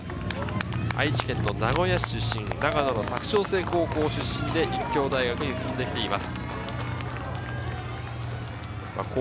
愛知県の名古屋市出身、長野・佐久長聖高校出身で立教大学に進んできています。